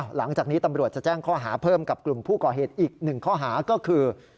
หลังจากนี้ตำรวจจะแจ้งข้อหาเพิ่มกับกลุ่มผู้ก่อเหตุอีกหนึ่งข้อหาก็คือ